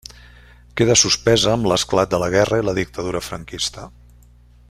Queda suspesa amb l'esclat de la guerra i la dictadura franquista.